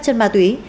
trên ma túy